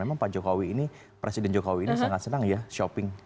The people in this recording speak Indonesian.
memang pak jokowi ini presiden jokowi ini sangat senang ya shopping